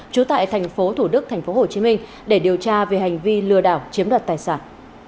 trú tại tp thủ đức tp hcm để điều tra về hành vi lừa đảo chiếm đoạt tài sản